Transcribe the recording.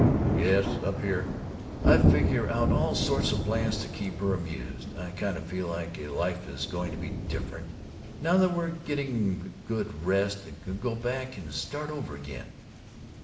"Yes. Up here, I figure out all sorts of plans to keep her amused. I kind of feel life is going to be different, now that we're getting a good rest and can go back and start over again."